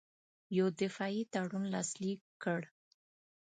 یو دفاعي تړون لاسلیک کړ.